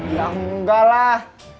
ya enggak lah